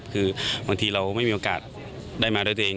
คือบางทีเราไม่มีโอกาสได้มาด้วยตัวเอง